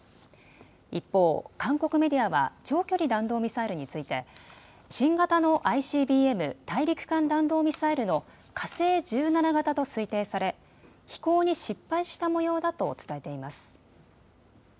一方、韓国メディアは長距離弾道ミサイルについて新型のＩＣＢＭ・大陸間弾道ミサイルの火星１７型と推定され飛行に失敗したもようだと伝えています。